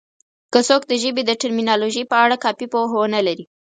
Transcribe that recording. که څوک د ژبې د ټرمینالوژي په اړه کافي پوهه ونه لري